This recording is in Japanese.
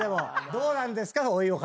どうなんですか？